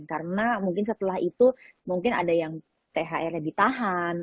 karena mungkin setelah itu mungkin ada yang thr nya ditahan